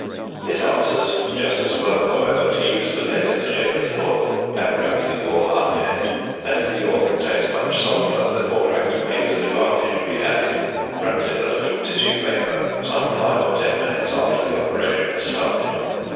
It answers just as well, however, to use the lead in the shape of foil, and wrap the ore up in it; and if the ore contains much sulphur, the borax may with advantage be added (wrapped in a little tissue paper) some five or ten minutes after the operation has started.